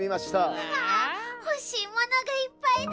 うわほしいものがいっぱいだ。